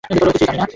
কিছুই জানি না।